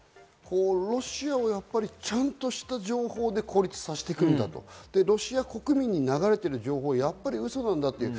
ロシアをちゃんとした情報で孤立させて行くんだ、ロシア国民に流れている情報は嘘なんだという。